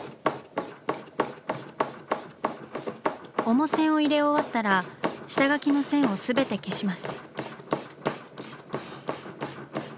主線を入れ終わったら下描きの線を全て消します。